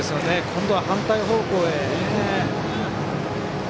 今度は反対方向へ。